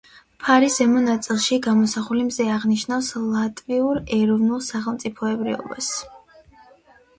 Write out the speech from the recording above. ფარის ზემო ნაწილში გამოსახული მზე აღნიშნავს ლატვიურ ეროვნულ სახელმწიფოებრიობას.